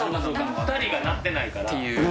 ２人が鳴ってないから。